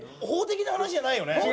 法的な話じゃないよね？